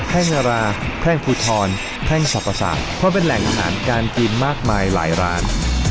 ่งนาราแพร่งภูทรแพร่งสรรพศาสตร์เพราะเป็นแหล่งอาหารการกินมากมายหลายร้าน